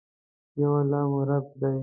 یو الله مو رب دي.